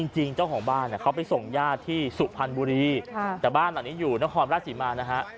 เจ้าของบ้านเขาไปส่งญาติที่สุพรรณบุรีแต่บ้านหลังนี้อยู่นครราชศรีมานะฮะ